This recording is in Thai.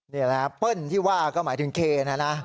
นี่แหละเปิ้ลที่ว่าก็หมายถึงเคนนะนะ